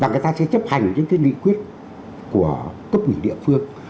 và người ta sẽ chấp hành những cái lị quyết của cấp ủy địa phương